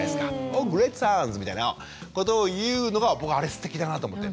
オーグレートサウンズみたいなことを言うのが僕はあれすてきだなと思って。